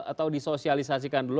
atau disosialisasikan dulu